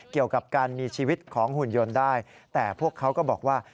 เกี่ยวกับการมีชีวิตของหุ่นยนต์ได้แต่พวกเขาก็บอกว่า